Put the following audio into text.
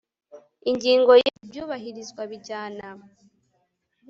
Ingingo ya Ibyubahirizwa bijyana